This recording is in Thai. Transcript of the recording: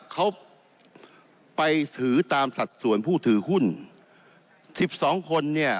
เขาไปถือตามสัดส่วนผู้ถือหุ้น๑๒คนเนี่ย